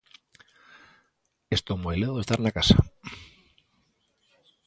Estou moi ledo de estar na casa.